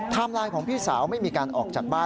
ไลน์ของพี่สาวไม่มีการออกจากบ้าน